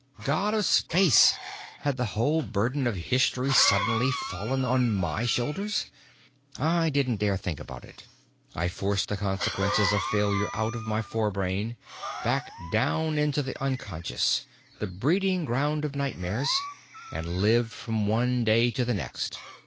God of space, had the whole burden of history suddenly fallen on my shoulders? I didn't dare think about it. I forced the consequences of failure out of my forebrain, back down into the unconscious, the breeding ground of nightmares, and lived from one day to the next.